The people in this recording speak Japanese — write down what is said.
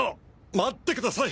待ってください！